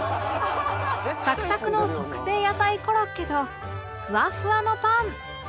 サクサクの特製野菜コロッケとフワフワのパン